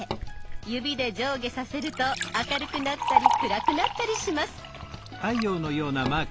指で上下させると明るくなったり暗くなったりします。